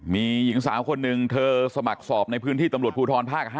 มีหญิงสาวคนหนึ่งเธอสมัครสอบในพื้นที่ตำรวจภูทรภาค๕